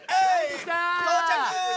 到着！